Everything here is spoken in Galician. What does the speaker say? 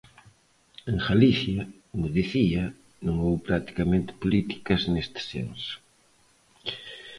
En Galicia, como dicía, non houbo practicamente políticas neste senso.